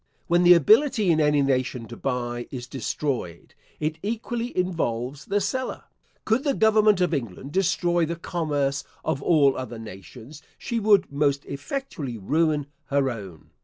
When the ability in any nation to buy is destroyed, it equally involves the seller. Could the government of England destroy the commerce of all other nations, she would most effectually ruin her own.